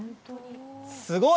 すごい。